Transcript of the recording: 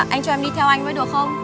anh cho em đi theo anh mới được không